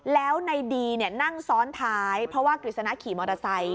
แล้วในดีนั่งซ้อนท้ายเพราะว่ากฤษณะขี่มอเตอร์ไซค์